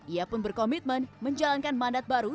ia pun berkomitmen menjalankan mandat baru